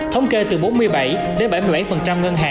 thống kê từ bốn mươi bảy đến bảy mươi bảy ngân hàng